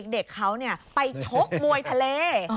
เด็กเขาเนี่ยไปชกมวยทะเล